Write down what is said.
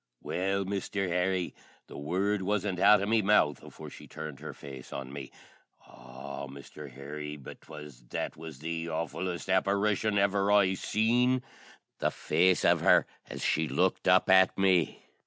Well, Misther Harry, the word wasn't out o' me mouth afore she turned her face on me. Aw, Misther Harry, but 'twas that was the awfullest apparation ever I seen, the face of her as she looked up at me!